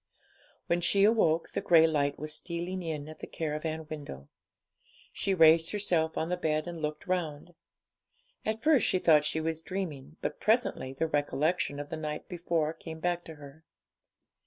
When she awoke, the grey light was stealing in at the caravan window. She raised herself on the bed and looked round. At first she thought she was dreaming, but presently the recollection of the night before came back to her.